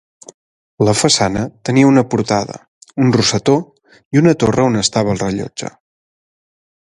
La façana tenia una portada, un rosetó i una torre on estava el rellotge.